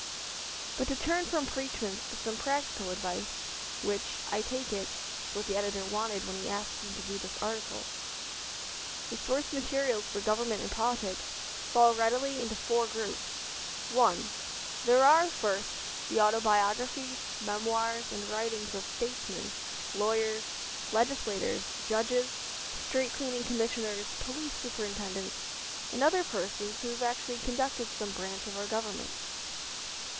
But to turn from preachments to some practical advice, which, I take it, is what the editor wanted when he asked me to do this article. The source materials for government and politics fall readily into four groups. I. There are, first, the autobiographies, memoirs and writings of statesmen, lawyers, legislators, judges, street cleaning commissioners, police superintendents, and other persons who have actually conducted some branch of our government.